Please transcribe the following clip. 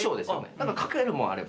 何か描けるもんあれば。